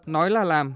nói là làm